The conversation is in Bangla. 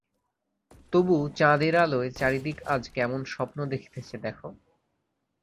তবু, চাঁদের আলোয় চারিদিক আজ কেমন স্বপ্ন দেখিতেছে দ্যাখো।